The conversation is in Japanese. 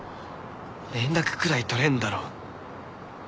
連絡くらい取れるだろ。